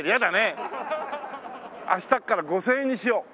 明日から５０００円にしよう。